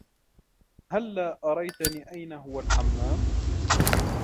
هلاّ أريتني أين هو الحمّام؟